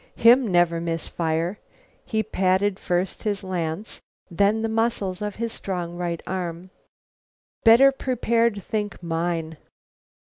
Him never miss fire." He patted first his lance, then the muscles of his strong right arm. "Better prepared think mine."